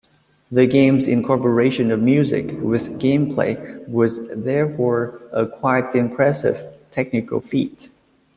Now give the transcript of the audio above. The game's incorporation of music with gameplay was therefore a quite impressive technical feat.